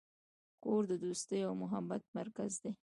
کور د دوستۍ او محبت مرکز دی.